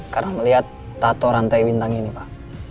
karena melihat tato rantai bintang ini pak